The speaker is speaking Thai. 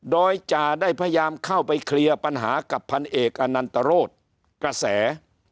โดยจ่าได้พยายามเข้าไปเคลียร์ปัญหากับพันเอกอนันตรโรธกระแส